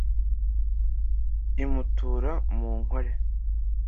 imutura mu nkole